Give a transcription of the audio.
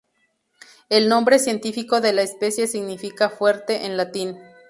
El nombre científico de la especie significa "fuerte" en latín.